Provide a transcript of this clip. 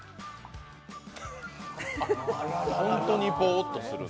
本当にボーッとする。